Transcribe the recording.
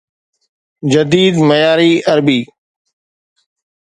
جديد معياري عربي